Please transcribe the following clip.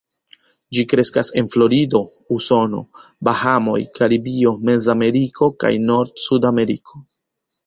Ĝi kreskas en Florido, Usono, Bahamoj, Karibio, Mez-Ameriko kaj norda Sud-Ameriko.